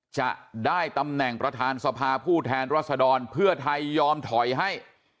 จะได้ตำแหน่งประธานสภาผู้แทนรัศดรเพื่อไทยยอมถอยให้